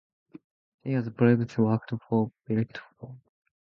She has previously worked for "Politico".